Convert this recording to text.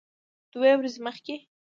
دوه ورځې مخکې